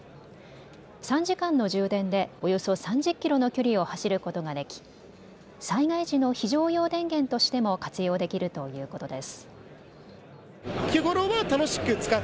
３時間の充電でおよそ３０キロの距離を走ることができ災害時の非常用電源としても活用できるということです。